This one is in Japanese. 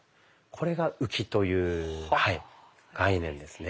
これが「浮き」という概念ですね。